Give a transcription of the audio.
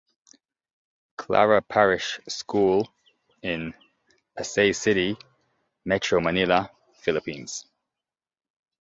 Clara Parish School in Pasay City, Metro Manila, Philippines.